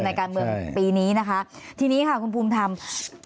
การเมืองปีนี้นะคะทีนี้ค่ะคุณภูมิธรรม